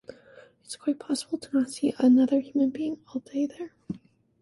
It's quite possible to not see another human being all day there.